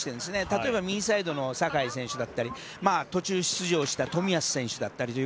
例えば右サイドの酒井選手だったり途中出場した冨安選手だったり。